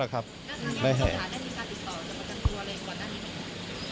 แล้วทางนี้ประกันการได้มีการติดต่อจะประกันตัวอะไรกว่านั้น